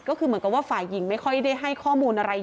ก็คือเวลาก็ไม่ได้ให้ข้อมูลอะไรเยอะ